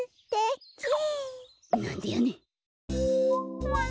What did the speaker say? なんでやねん！